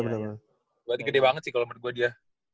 berarti gede banget sih kalau menurut gua dia